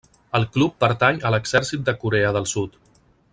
El club pertany a l'Exèrcit de Corea del Sud.